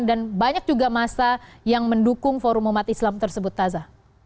dan banyak juga masa yang mendukung forum umat islam tersebut taza